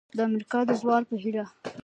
د امریکا د زوال په هیله!